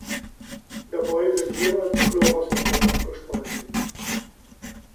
Dabei wird jeweils Chlorwasserstoff abgespalten.